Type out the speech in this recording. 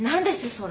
それ。